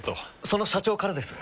その社長からです。